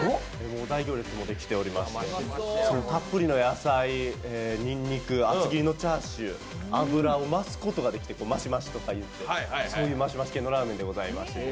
大行列もできておりましてたっぷりの野菜、にんにく、厚切りのチャーシュー、油を増すことができて、マシマシとかいって、そういうマシマシ系のラーメンでございます。